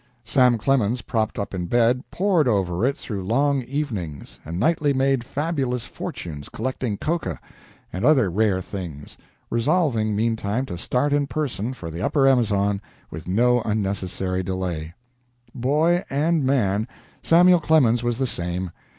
Sam Clemens, propped up in bed, pored over it through long evenings, and nightly made fabulous fortunes collecting cocoa and other rare things resolving, meantime, to start in person for the upper Amazon with no unnecessary delay. Boy and man, Samuel Clemens was the same.